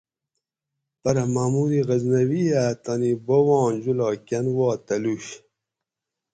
پرہ محمود غزنوی ھہ اتانی بوباں جولاگ کن وا تلوُش